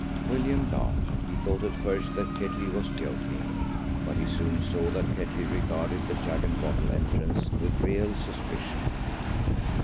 William laughed. He thought at first that Ketley was joking, but he soon saw that Ketley regarded the jug and bottle entrance with real suspicion.